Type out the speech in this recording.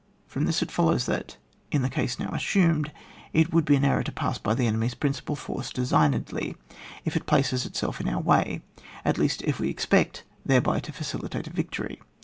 From this it follows that, in the case now assumed, it would be an error to pass by the enemy's principal force de signedly, if it places itself in our way, at least if we expect thereby to facilitate a victory.